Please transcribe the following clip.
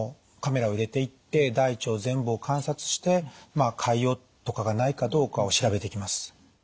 カメラを入れていって大腸全部を観察して潰瘍とかがないかどうかを調べていきます。